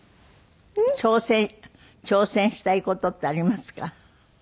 挑戦挑戦したい事ってありますか？